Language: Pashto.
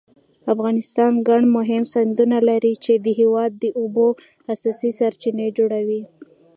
افغانستان ګڼ مهم سیندونه لري چې د هېواد د اوبو اساسي سرچینې جوړوي.